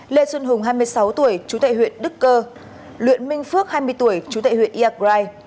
lê xuân hùng hai mươi sáu tuổi chú tại huyện đức cơ luyện minh phước hai mươi tuổi chú tại huyện yagrai